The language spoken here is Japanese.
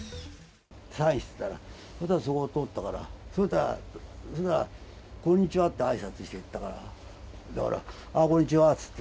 サインしてたら、そこを通ったから、そしたら、こんにちはってあいさつして行ったから、だから、ああ、こんにちはって言って。